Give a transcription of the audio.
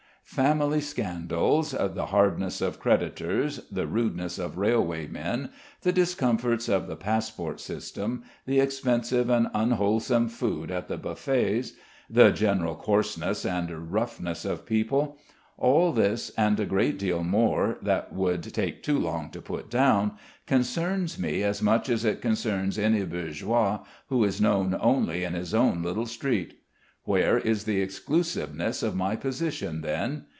Family scandals, the hardness of creditors, the rudeness of railway men, the discomforts of the passport system, the expensive and unwholesome food at the buffets, the general coarseness and roughness of people, all this and a great deal more that would take too long to put down, concerns me as much as it concerns any bourgeois who is known only in his own little street. Where is the exclusiveness of my position then?